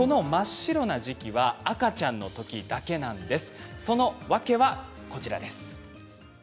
真っ白な時期は赤ちゃんのときだけなんです。